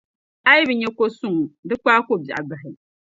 A yi bi nya ko’ suŋ di kpaai ko’ biɛɣu bahi.